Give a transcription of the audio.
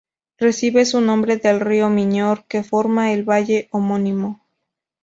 Recibe su nombre del río Miñor, que forma el valle homónimo.